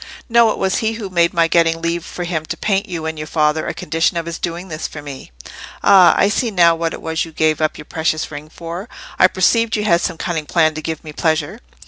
"No, it was he who made my getting leave for him to paint you and your father, a condition of his doing this for me." "Ah! I see now what it was you gave up your precious ring for. I perceived you had some cunning plan to give me pleasure."